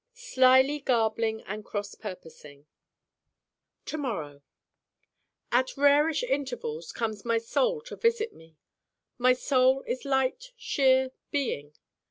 Slyly garbling and cross purposing To morrow At rarish intervals comes my Soul to visit me. My Soul is light sheer Being.